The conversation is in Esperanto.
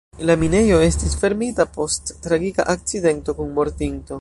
La minejo estis fermita post tragika akcidento kun mortinto.